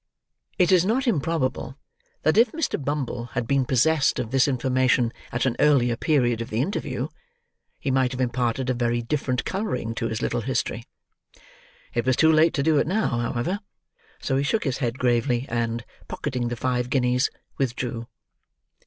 It is not improbable that if Mr. Bumble had been possessed of this information at an earlier period of the interview, he might have imparted a very different colouring to his little history. It was too late to do it now, however; so he shook his head gravely, and, pocketing the five guineas, withdrew.